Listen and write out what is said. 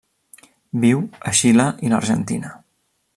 Viu a Xile i l'Argentina.